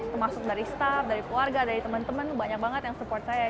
termasuk dari staff dari keluarga dari teman teman banyak banget yang support saya